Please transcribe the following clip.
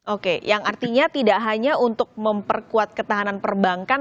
oke yang artinya tidak hanya untuk memperkuat ketahanan perbankan